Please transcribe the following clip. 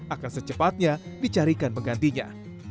akan secepatnya dicarikan penggantinya